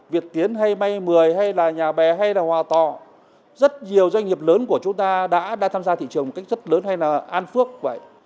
việt tiến hay may mười hay là nhà bè hay là hòa tò rất nhiều doanh nghiệp lớn của chúng ta đã tham gia thị trường một cách rất lớn hay là an phước vậy